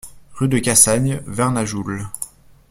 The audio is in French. Rue de Cassagne, Vernajoul